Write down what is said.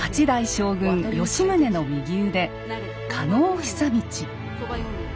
将軍吉宗の右腕加納久通。